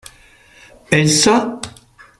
Elle s'.